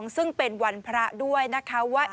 ซึ่งเป็นวันพระด้วยนะคะว่า